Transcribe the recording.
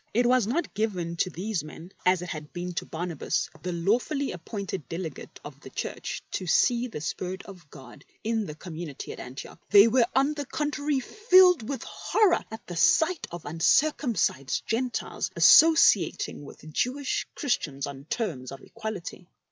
It was not given to these men as it had been to Barnabas, the lawfully appointed delegate of the Church, to see the Spirit of God in the community at Antioch. They were, on the contrary, filled with horror at the sight of uncircumcised Gentiles associating with Jew ish Christians on terms of equality.